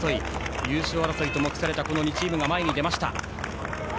優勝争いと目されたこの２チームが前に出ました。